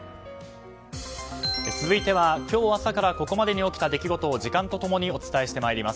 続いては今日朝からここまでに起きた出来事を時間と共にお伝えしてまいります。